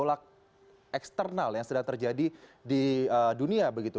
melihat gejolak eksternal yang sedang terjadi di dunia begitu